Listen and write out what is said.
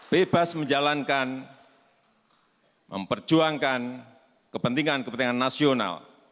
bebas menjalankan memperjuangkan kepentingan kepentingan nasional